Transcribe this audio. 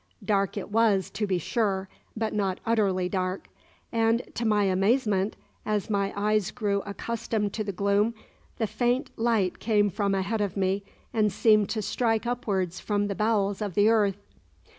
Dark it was, to be sure, but not utterly dark; and to my amazement, as my eyes grew accustomed to the gloom, the faint light came from ahead of me and seemed to strike upwards from the bowels of the earth.